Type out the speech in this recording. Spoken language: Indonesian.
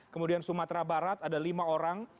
kemudian sumatera barat ada lima orang